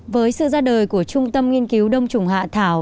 với sự ra đời của trung tâm nghiên cứu đông trùng hạ thảo